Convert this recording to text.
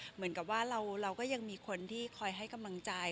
เหมือนกับว่าเราก็ยังมีคนที่คอยให้กำลังใจ